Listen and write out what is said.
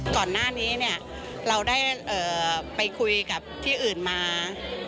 ก่อนหน้านี้เนี่ยเราได้ไปคุยกับที่อื่นมา